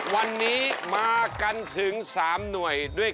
วันนี้มากันถึง๓หน่วย